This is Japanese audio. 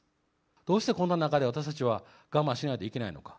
どうしてこんな中で私たちは我慢しないといけないのか。